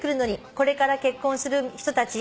「これから結婚する人たちへ」